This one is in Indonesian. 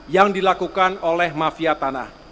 yang dilakukan oleh mafia tanah